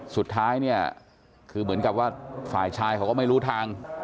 สุดท้ายเนี่ยคือเหมือนกับว่าฝ่ายชายเขาก็ไม่รู้ทาง